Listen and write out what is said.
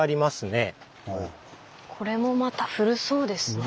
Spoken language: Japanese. これもまた古そうですね。